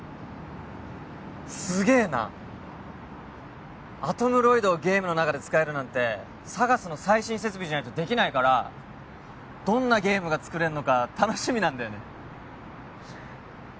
すげえなアトムロイドをゲームの中で使えるなんてＳＡＧＡＳの最新設備じゃないとできないからどんなゲームが作れんのか楽しみなんだよね